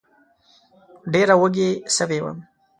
ډېره وږې سوې وم